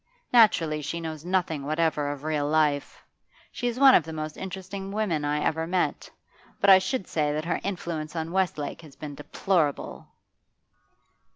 Naturally she knows nothing whatever of real life. She is one of the most interesting women I ever met, but I should say that her influence on Westlake has been deplorable.